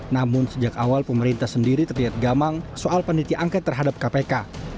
namun sejak awal pemerintah sendiri terlihat gamang soal panitia angket terhadap kpk